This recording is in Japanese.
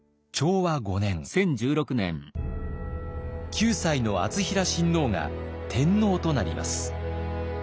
９歳の敦成親王が天皇となります。